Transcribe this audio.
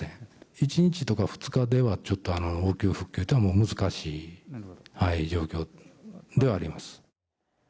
１日とか２日では、ちょっと応急復旧というのは難しい状況ではあります。